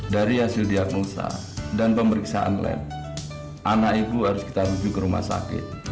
dari hasil diagnosa dan pemeriksaan lab anak ibu harus kita rujuk ke rumah sakit